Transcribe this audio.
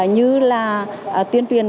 như là tuyên truyền